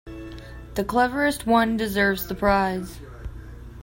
The cleverest one deserves the prize.